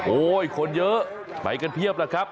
คนเยอะไปกันเพียบแล้วครับ